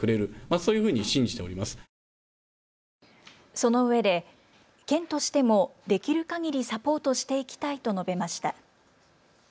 そのうえで県としてもできるかぎりサポートしていきたいと述べました。